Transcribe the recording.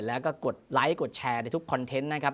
แล้วก็กดไลค์กดแชร์ในทุกคอนเทนต์นะครับ